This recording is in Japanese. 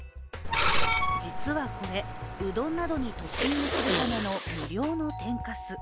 実はこれ、うどんなどにトッピングするための無料の天かす。